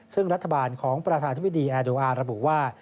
ซึ่งรัฐบาลของประธานธิบดีแอร์โดอาระบุว่า